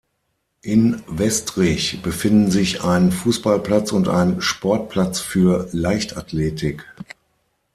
In Westrich befinden sich ein Fußballplatz und ein Sportplatz für Leichtathletik.